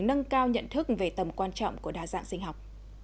nâng cao nhận thức về tầm quan trọng của đa dạng sinh học